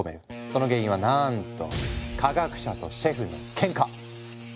その原因はなんと科学者とシェフのケンカ。